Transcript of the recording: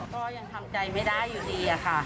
ก็ยังทำใจไม่ได้อยู่ดีอะค่ะ